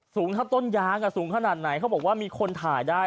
สูงเท่าต้นยางสูงขนาดไหนเขาบอกว่ามีคนถ่ายได้